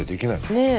ねえ。